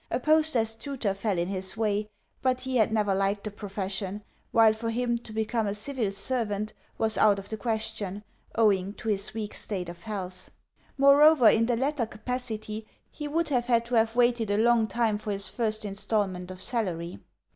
A post as tutor fell in his way, but he had never liked the profession; while for him to become a civil servant was out of the question, owing to his weak state of health. Moreover, in the latter capacity he would have had to have waited a long time for his first instalment of salary.